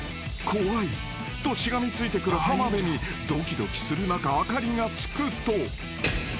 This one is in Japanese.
［「怖い」としがみついてくる浜辺にドキドキする中明かりがつくと］